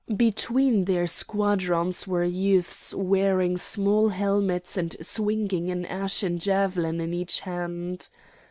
Between their squadrons were youths wearing small helmets and swinging an ashen javelin in each hand.